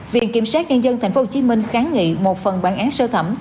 viện kiểm soát nhân dân thành phố hồ chí minh kháng nghị một phần bản án sơ thẩm